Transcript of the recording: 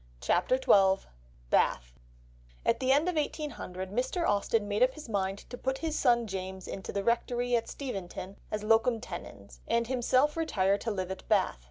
CHAPTER XII BATH At the end of 1800, Mr. Austen made up his mind to put his son James into the rectory at Steventon as locum tenens, and himself retire to live at Bath.